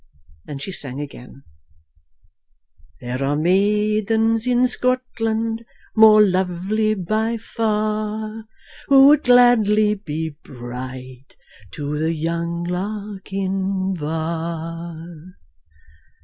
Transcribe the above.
Then she sang again: "There are maidens in Scotland more lovely by far, Who would gladly be bride to the young Lochinvar."